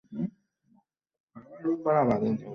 ব্যাটা, এই মেয়ে তোর উপযুক্ত না।